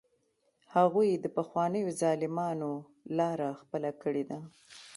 هغوی د پخوانیو ظالمانو لاره خپله کړې ده.